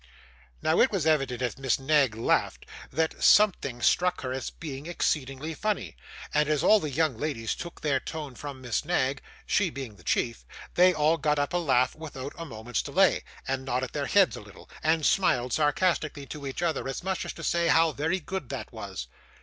Now, it was evident, as Miss Knag laughed, that something struck her as being exceedingly funny; and as the young ladies took their tone from Miss Knag she being the chief they all got up a laugh without a moment's delay, and nodded their heads a little, and smiled sarcastically to each other, as much as to say how very good that was!